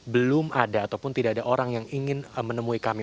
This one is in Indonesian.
belum ada ataupun tidak ada orang yang ingin menemui kami